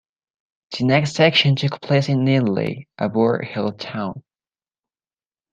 The next action took place in Lindley, a Boer held town.